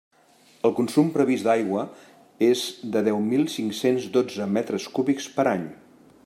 El consum previst d'aigua és de deu mil cinc-cents dotze metres cúbics per any.